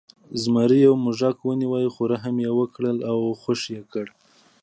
زمري یو موږک ونیو خو رحم یې وکړ او خوشې یې کړ.